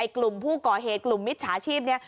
กลุ่มผู้ก่อเหตุกลุ่มมิจฉาชีพนี้